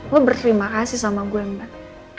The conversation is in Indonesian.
gue berterima kasih sama gue mbak